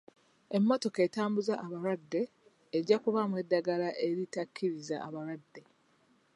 Emmotoka etambuza balwadde ejja kubaamu eddagala eritaakiriza abalwadde.